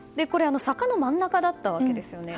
坂の真ん中だったわけですよね。